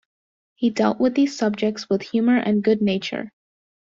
He dealt with these subjects with humor and good nature.